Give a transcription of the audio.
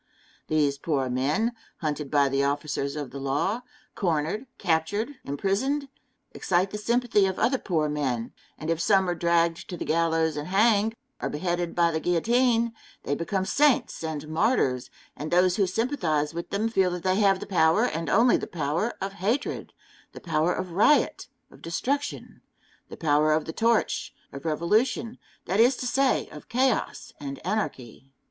These poor men, hunted by the officers of the law, cornered, captured, imprisoned, excite the sympathy of other poor men, and if some are dragged to the gallows and hanged, or beheaded by the guillotine, they become saints and martyrs, and those who sympathize with them feel that they have the power, and only the power of hatred the power of riot, of destruction the power of the torch, of revolution, that is to say, of chaos and anarchy.